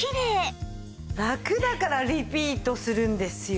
ラクだからリピートするんですよ。